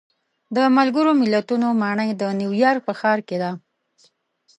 د ملګرو ملتونو ماڼۍ د نیویارک په ښار کې ده.